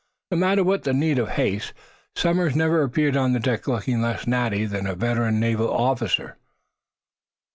No matter what the need of haste, Somers never appeared on deck looking less natty than a veteran naval officer.